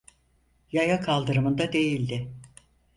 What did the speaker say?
Yaya kaldırımında değildi.